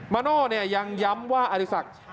มันโอยังย้ำว่าอธิสักรายสรค์